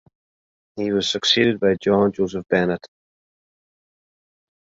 He was succeeded by John Joseph Bennett.